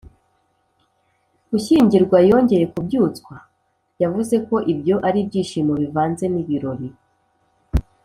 gushyingirwa yongeye kubyutswa. yavuze ko ibyo ari ibyishimo bivanze n’ibirori